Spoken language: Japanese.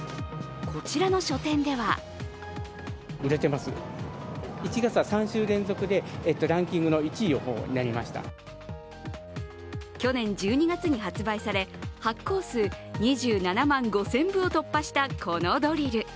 こちらの書店では去年１２月に発売され発行数２７万５０００部を突破したこのドリル。